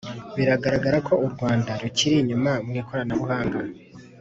biragaragara ko u Rwanda rukiri inyuma mu ikoranabuhanga